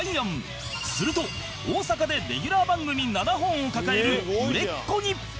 すると大阪でレギュラー番組７本を抱える売れっ子に